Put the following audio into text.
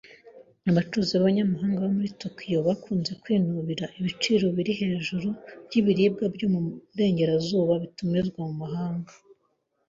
Abacuruzi b’abanyamahanga baba muri Tokiyo bakunze kwinubira ibiciro biri hejuru y’ibiribwa byo mu burengerazuba bitumizwa mu mahanga.